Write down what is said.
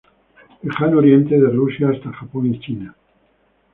Lejano oriente de Rusia hasta Japón y China.